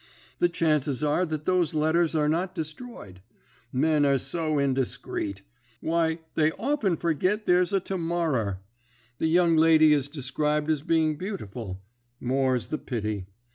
The chances are that those letters are not destroyed. Men are so indiscreet! Why, they often forgit there's a to morrer. The young lady is described as being beautiful. More's the pity.